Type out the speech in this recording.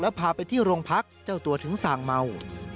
พาไปที่โรงพักเจ้าตัวถึงสั่งเมา